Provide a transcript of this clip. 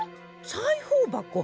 さいほうばこ。